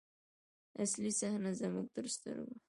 اصلي صحنه زموږ تر سترګو.